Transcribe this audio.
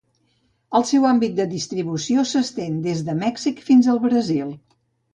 El seu àmbit de distribució s'estén des de Mèxic fins al Brasil.